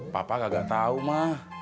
papa gak tau ma